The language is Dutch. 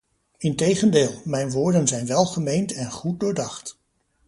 Integendeel, mijn woorden zijn welgemeend en goed doordacht.